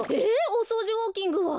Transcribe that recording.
おそうじウォーキングは？